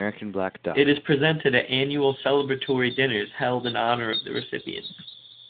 It is presented at annual celebratory dinners held in honor of the recipients.